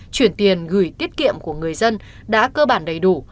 chuyển tiền gửi tiết kiệm của người dân đã cơ bản đầy đủ